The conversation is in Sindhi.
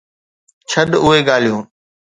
ڇڏ اهي ڳالهيون.